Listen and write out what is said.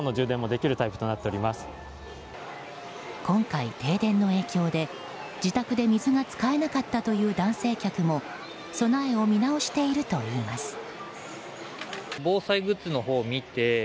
今回、停電の影響で自宅で水が使えなかったという男性客も備えを見直しているといいます。